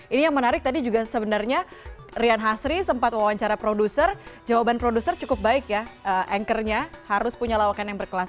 ini yang menarik tadi juga sebenarnya rian hasri sempat wawancara produser jawaban produser cukup baik ya anchornya harus punya lawakan yang berkelas